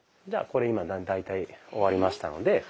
じゃあこれ大体終わりましたので。